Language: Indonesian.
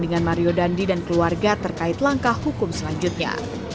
dengan mario dandi dan keluarga terkait langkah hukum selanjutnya